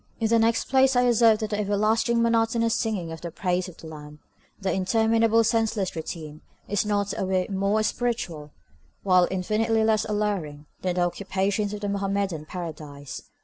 In the next place I assert that the everlasting monotonous singing of the praises of the lamb, the interminable senseless routine, is not a whit more spiritual, while infinitely less alluring, than the occupations of the Mohammedan Paradise.